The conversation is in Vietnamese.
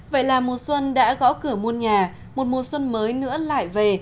vậy là mùa xuân đã gõ cửa muôn nhà một mùa xuân mới nữa lại về